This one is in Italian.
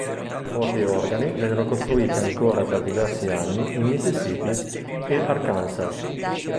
Pianoforti e organi vennero costruiti ancora per diversi anni in Mississippi e Arkansas.